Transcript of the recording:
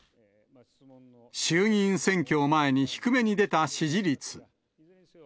衆議院選挙を前に、低めに出た支持率。